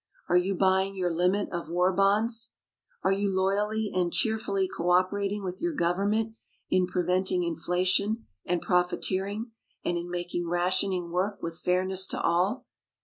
"Are you buying your limit of war bonds?" "Are you loyally and cheerfully cooperating with your government in preventing inflation and profiteering, and in making rationing work with fairness to all?"